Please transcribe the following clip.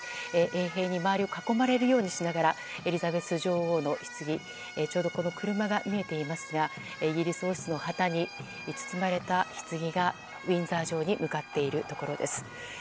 衛兵に周りを囲まれるようにしながらエリザベス女王のひつぎちょうど車が見えていますがイギリス王室の旗に包まれたひつぎがウィンザー城に向かっているところです。